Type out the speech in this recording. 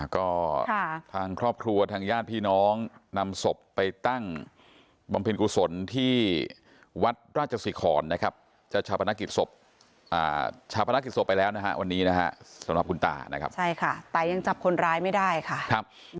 ก็ทางครอบครัวทางญาติพี่น้องนำศพไปตั้งบำเพ็ญกุศลที่วัดราชสิขอนนะครับจัดชาปนกิจศพชาวพนักกิจศพไปแล้วนะฮะวันนี้นะฮะสำหรับคุณตานะครับใช่ค่ะแต่ยังจับคนร้ายไม่ได้ค่ะครับ